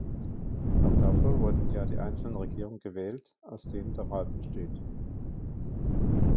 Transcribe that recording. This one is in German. Aber dafür wurden ja die einzelnen Regierungen gewählt, aus denen der Rat besteht.